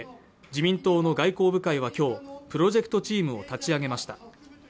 自民党の外交部会はきょうプロジェクトチームを立ち上げました